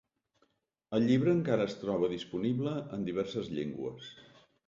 El llibre encara es troba disponible en diverses llengües.